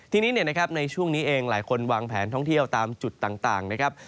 ทีนี้ในช่วงนี้เองหลายคนวางแผนท่องเที่ยวตามจุดต่างนะครับ